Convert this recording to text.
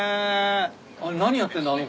あれ何やってんだ？